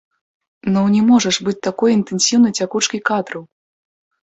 Ну не можа ж быць такой інтэнсіўнай цякучкі кадраў!